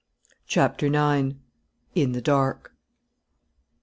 CHAPTER IX. IN THE DARK.